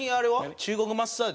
中国マッサージ。